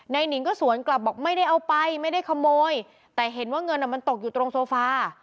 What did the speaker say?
หนิงก็สวนกลับบอกไม่ได้เอาไปไม่ได้ขโมยแต่เห็นว่าเงินมันตกอยู่ตรงโซฟา